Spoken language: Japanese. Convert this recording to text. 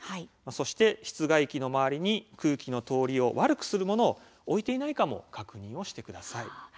そして室外機の周りに空気の通りを悪くする物を置いていないかも確認してください。